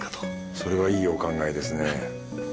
それはいいお考えですね。